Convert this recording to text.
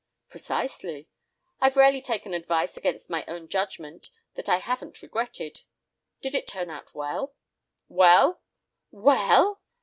"Precisely, I've rarely taken advice against my own judgment that I haven't regretted it. Did it turn out well?" "Well! Well?